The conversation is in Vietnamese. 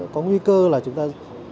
có nguy cơ là chúng ta